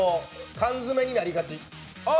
缶詰になりがち。